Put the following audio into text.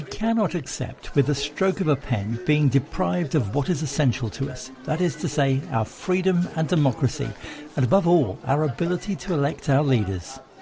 kami tidak bisa menerima dengan penyelidikan yang terlalu penting untuk kita yaitu kebebasan dan demokrasi dan terlebih dahulu kemampuan kita untuk mengeleksi pemimpin kita